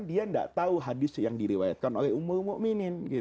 dia tidak tahu hadis yang diriwayatkan oleh ummul mu'minin